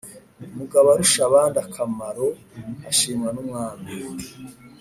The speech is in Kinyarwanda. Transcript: ” mugaborushabandakamaro ashimwa n' umwami.